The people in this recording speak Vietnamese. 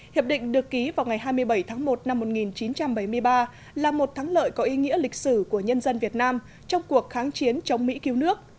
hiệp định được ký vào ngày hai mươi bảy tháng một năm một nghìn chín trăm bảy mươi ba là một thắng lợi có ý nghĩa lịch sử của nhân dân việt nam trong cuộc kháng chiến chống mỹ cứu nước